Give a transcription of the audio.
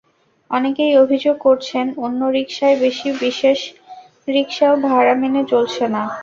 অনেকেই অভিযোগ করছেন, অন্য রিকশাই বেশি, বিশেষ রিকশাও ভাড়া মেনে চলছে না।